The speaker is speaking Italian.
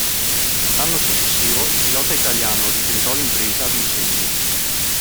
L'anno successivo il pilota italiano ritentò l'impresa vincendo.